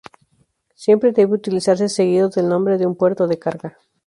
Siempre debe utilizarse seguido del nombre de un puerto de carga.